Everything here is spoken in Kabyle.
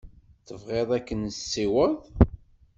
Tebɣiḍ ad k-nessiweḍ?